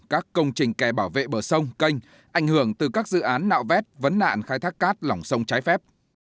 các công trình kè bảo vệ bờ sông canh ảnh hưởng từ các dự án nạo vét vấn nạn khai thác cát lỏng sông trái phép